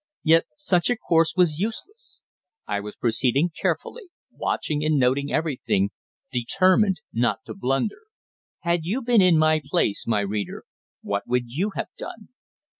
Yet such a course was useless. I was proceeding carefully, watching and noting everything, determined not to blunder. Had you been in my place, my reader, what would you have done?